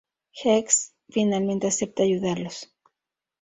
Gex finalmente acepta ayudarlos.